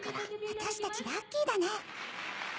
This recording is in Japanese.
私たちラッキーだね。